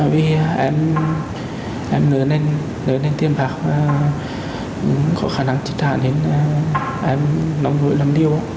vì em nới lên tiền bạc có khả năng trị trả nên em nông nội lắm điều